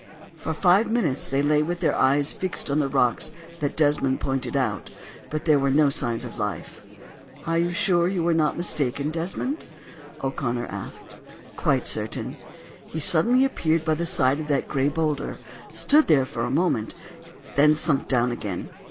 For five minutes they lay with their eyes fixed on the rocks that Desmond pointed out, but there were no signs of life. "Are you sure you were not mistaken, Desmond?" O'Connor asked. "Quite certain. He suddenly appeared by the side of that gray boulder, stood there for a moment, and sunk down again.